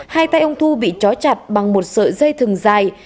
hai tay ông thu bị chó chặt bằng một sợi dây thừng dài